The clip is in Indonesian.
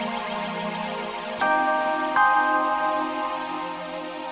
tapi quechua kenpung